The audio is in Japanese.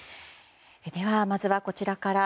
まずは、こちらから。